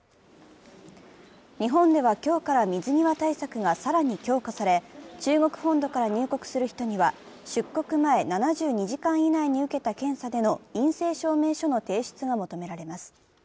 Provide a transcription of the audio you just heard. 日本では今日から水際対策が更に強化され、中国本土から入国する人には出国前７２時間以内に受けた検査での陰性証明書の提出が求められます。